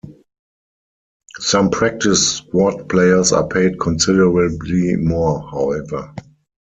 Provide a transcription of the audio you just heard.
Some practice squad players are paid considerably more, however.